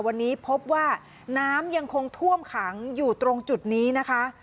วันนี้พบว่าน้ำยังคงท่วมขังอยู่ตรงจุดนี้นะคะ